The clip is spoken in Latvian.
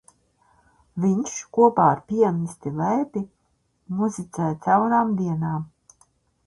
Viņš kopā ar pianisti Lēpi muzicē caurām dienām.